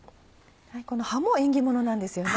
この葉も縁起物なんですよね。